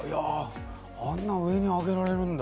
あんなに上に上げられるんだ。